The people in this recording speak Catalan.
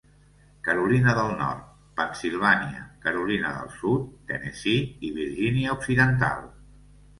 Carolina del Nord, Pennsilvània, Carolina del Sud, Tennessee i Virgínia Occidental.